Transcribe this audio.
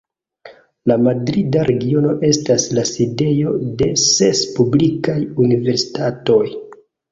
La Madrida Regiono estas la sidejo de ses publikaj universitatoj.